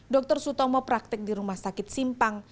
dr sutomo praktek di rumah sakit simpang